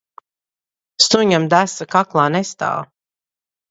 Suņam desa kaklā nestāv.